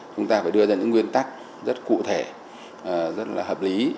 chúng ta phải đưa ra những nguyên tắc rất cụ thể rất là hợp lý